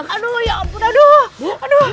aduh ya ampun aduh